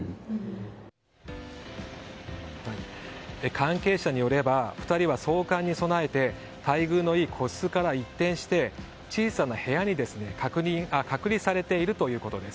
関係者によれば２人は送還に備えて待遇のいい個室から一転して小さな部屋に隔離されているということです。